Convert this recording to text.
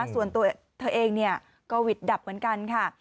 ส่วนตัวเธอเองเนี่ยก็วิทย์ดับเหมือนกันค่ะ